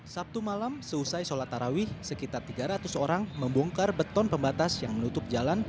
sabtu malam seusai sholat tarawih sekitar tiga ratus orang membongkar beton pembatas yang menutup jalan